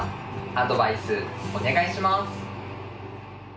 アドバイスお願いします。